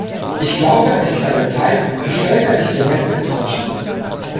Ich glaube, es ist an der Zeit, die Völker nicht länger zu enttäuschen.